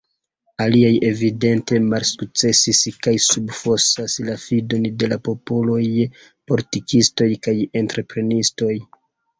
Aliaj evidente malsukcesis kaj subfosas la fidon de la popolo je politikistoj kaj entreprenistoj.